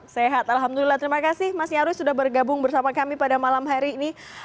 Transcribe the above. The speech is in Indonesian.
sehat alhamdulillah terima kasih mas nyarwi sudah bergabung bersama kami pada malam hari ini